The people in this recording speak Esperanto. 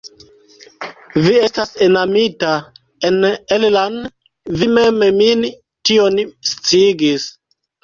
Vi estas enamita en Ella'n vi mem min tion sciigis.